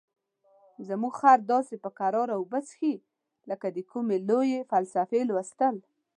زموږ خر داسې په کراره اوبه څښي لکه د کومې لویې فلسفې لوستل.